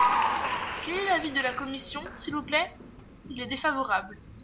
Quel est l’avis de la commission, s’il vous plaît ? Il est défavorable.